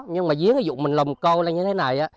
nhưng mà giếng ví dụ mình lồng co lên như thế này